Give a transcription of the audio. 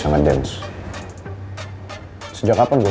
seg convention gue suka berniak itu pengen gangeng